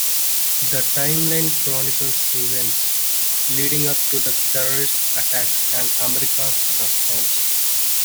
The timeline chronicles events leading up to the terrorist attacks and America's response.